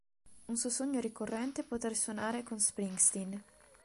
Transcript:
Un suo sogno ricorrente è potere suonare con Springsteen.